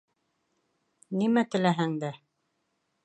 Нимә теләһәң дә.